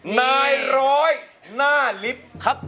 นายร้อยหน้าลิฟท์